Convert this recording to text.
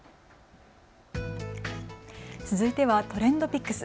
続いてはＴｒｅｎｄＰｉｃｋｓ。